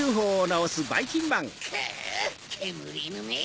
くぅけむりいぬめ！